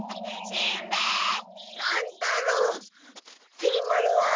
きり丸は？